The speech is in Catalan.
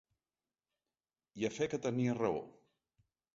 I a fe que tenia raó!